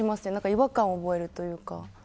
違和感を覚えるというか。